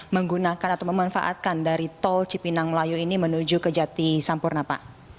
menjadikan atau memanfaatkan dari tol cipinang melayu ini menuju ke jatisampurna pak